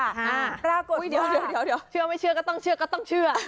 ปรากฏว่าเดี๋ยวเชื่อไม่เชื่อก็ต้องเชื่อก็ต้องเชื่อ